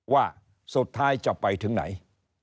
ว่าสุดท้ายจะไปถึงไหน